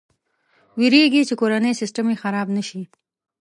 ویرېږي چې کورنی سیسټم یې خراب نه شي.